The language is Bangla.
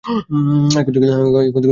এখন থেকে তোমার সাথে থাকবো।